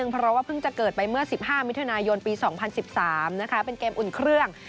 เป็นเกมอุ่นเครื่อง